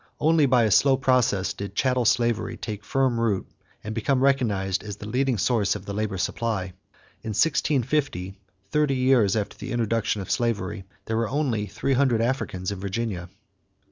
Only by a slow process did chattel slavery take firm root and become recognized as the leading source of the labor supply. In 1650, thirty years after the introduction of slavery, there were only three hundred Africans in Virginia.